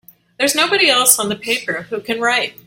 There's nobody else on the paper who can write!